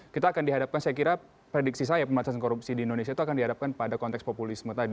kita akan dihadapkan saya kira prediksi saya pemerasan korupsi di indonesia itu akan dihadapkan pada konteks populisme tadi